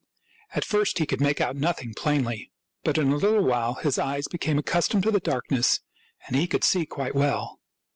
At first he could make out nothing plainly; but in a little while his eyes became accustomed to the dark ness and he could see quite well.